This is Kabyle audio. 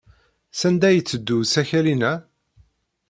Sanda ay yetteddu usakal-inna?